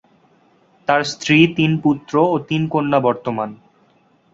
তার স্ত্রী তিন পুত্র ও তিন কন্যা বর্তমান।